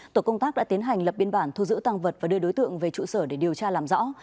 tổ công tác đã tiến hành lập biên bản thu giữ tăng vật và đưa đối tượng về trụ sở để điều tra làm rõ